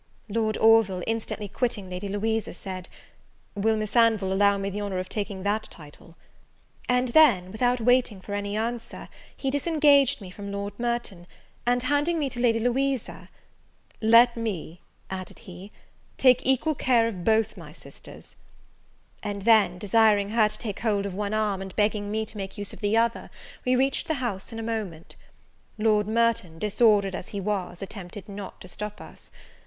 Lord Orville, instantly quitting Lady Louisa, said, "Will Miss Anville allow me the honour of taking that title?" and then, without waiting for any answer, he disengaged me from Lord Merton; and, handing me to Lady Louisa, "Let me," added he, "take equal care of both my sisters;" and then, desiring her, to take hold of one arm, and begging me to make use of the other, we reached the house in a moment. Lord Merton, disordered as he was, attempted not to stop us.